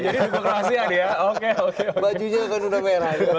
oh jadi juga kruasia dia oke oke oke